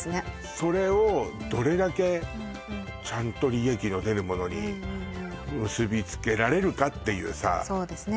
それをどれだけちゃんと利益の出るものに結びつけられるかっていうさそうですね